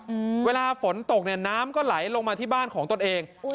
อืออืมอืมเวลาฝนตกเนี่ยน้ำก็ละล้อลงมาที่บ้านของตนเอง